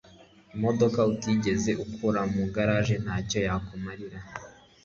imodoka utigeze ukura muri garage ntacyo yakumarira